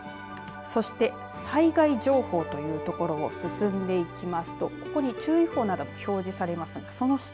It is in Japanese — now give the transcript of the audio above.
そして、災害情報というところを進んでいきますと、ここに注意報などが表示されます。